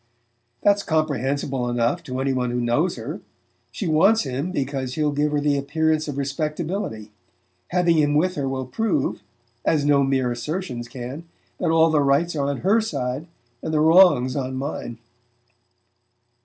"That's comprehensible enough to any one who knows her. She wants him because he'll give her the appearance of respectability. Having him with her will prove, as no mere assertions can, that all the rights are on her side and the 'wrongs' on mine."